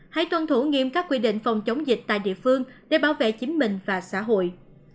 hãy tuân thủ nghiêm các quy định phòng chống dịch tại địa phương để bảo vệ chính mình và xã hội